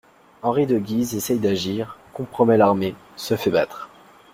Henri de Guise essaye d'agir, compromet l'armée, se fait battre.